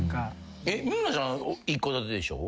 三村さん一戸建てでしょ？